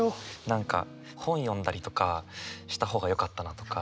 何か本読んだりとかした方がよかったなとか。